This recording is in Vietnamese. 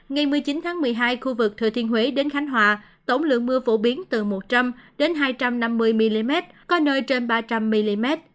ngày một mươi chín tháng một mươi hai khu vực thừa thiên huế đến khánh hòa tổng lượng mưa phổ biến từ một trăm linh hai trăm năm mươi mm có nơi trên ba trăm linh mm